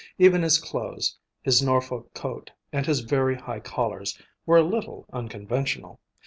Even his clothes, his Norfolk coat and his very high collars, were a little unconventional.